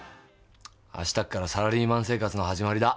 明日からサラリーマン生活の始まりだ。